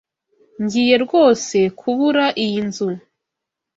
Ngiye rwose kubura iyi nzu.